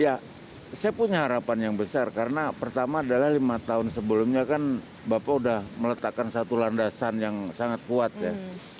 ya saya punya harapan yang besar karena pertama adalah lima tahun sebelumnya kan bapak sudah meletakkan satu landasan yang sangat kuat ya